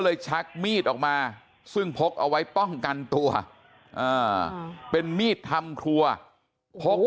ชักมีดออกมาซึ่งพกเอาไว้ป้องกันตัวเป็นมีดทำครัวพก